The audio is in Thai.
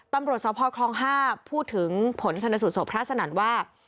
ตำรวจซาวพ่อครองห้าพูดถึงผลสนสูตรโสพระสนันท์ว่า